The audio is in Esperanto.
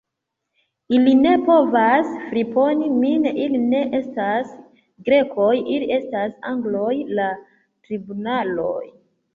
Ili ne povas friponi min; ili ne estas Grekoj, ili estas Angloj; la tribunaloj.